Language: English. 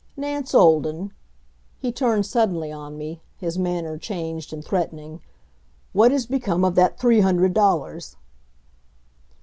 Nance Olden," he turned suddenly on me, his manner changed and threatening, "what has become of that three hundred dollars?"